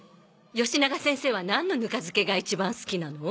よしなが先生は何のぬか漬けが一番好きなの？